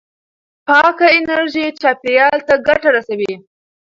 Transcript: پاکه انرژي چاپېریال ته ګټه رسوي.